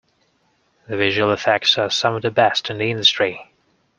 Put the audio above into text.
The visual effects are some of the best in the industry.